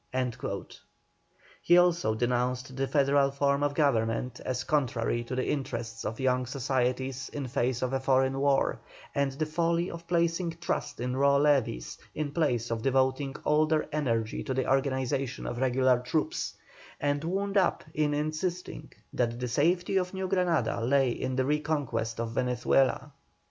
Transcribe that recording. He also denounced the federal form of government as contrary to the interests of young societies in face of a foreign war, and the folly of placing trust in raw levies in place of devoting all their energy to the organization of regular troops, and wound up by insisting that the safety of New Granada lay in the reconquest of Venezuela.